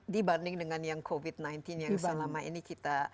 dibanding dengan yang covid sembilan belas yang selama ini kita